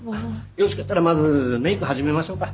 よろしかったらまずメーク始めましょうか。